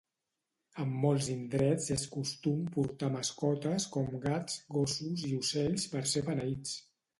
En molts indrets és costum portar mascotes com gats, gossos i ocells per ser beneïts.